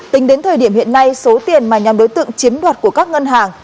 tính đến thời điểm hiện nay số tiền mà nhóm đối tượng chiếm đoạt của các ngân hàng